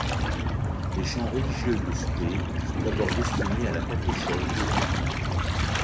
Les chants religieux de Spee sont d’abord destinés à la catéchèse des enfants.